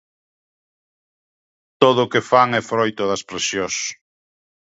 Todo o que fan é froito das presións.